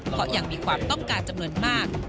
เพราะยังมีความต้องการจำนวนมาก